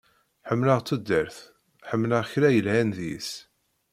Ḥemmleɣ tudert, ḥemmleɣ kra yelhan deg-s.